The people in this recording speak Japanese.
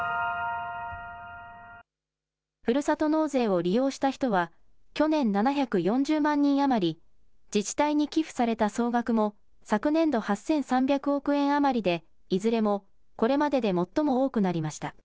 ふるさと納税を利用した人は去年７４０万人余り、自治体に寄付された総額も昨年度８３００億円余りでいずれもこれまでで最も多くなりました。